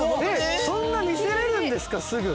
そんな見せれるんですかすぐ。